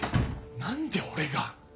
何で俺が？